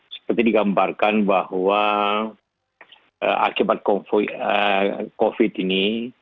seperti digambarkan bahwa akibat covid sembilan belas ini